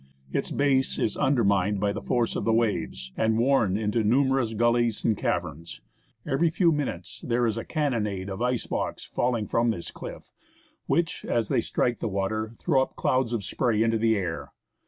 Its base is undermined by the force of the waves, and worn into numerous gullies and caverns. Every few minutes there is a cannonade of ice blocks falling from this cliff, which, as they strike the water, throw up clouds of spray into the air.